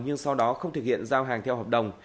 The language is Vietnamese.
nhưng sau đó không thực hiện giao hàng theo hợp đồng